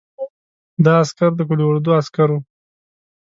دا عسکر د قول اردو عسکر وو.